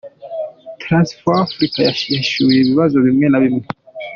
Transform Africa yahishuye ibibazo bimwe na bimwe.